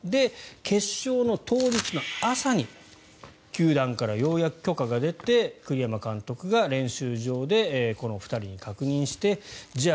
決勝の当日の朝に球団からようやく許可が出て栗山監督が練習場でこの２人に確認してじゃあ